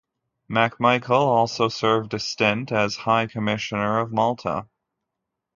MacMichael also served a stint as High Commissioner of Malta.